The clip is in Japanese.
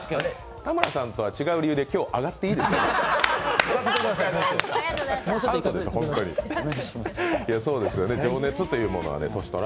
田村さんとは違う理由で、今日上がっていいですから。